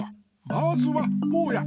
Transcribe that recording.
まずはぼうや。